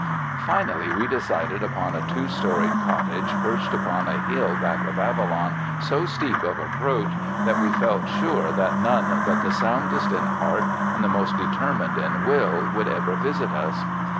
Finally we decided upon a two storied cot tage perched upon a hill back of Avalon so steep of approach that we felt sure that none but the sound est in heart and the most determined in will would ever visit us.